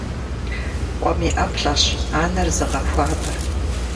Къуэм и ӏэплӏэрщ анэр зыгъэхуабэр.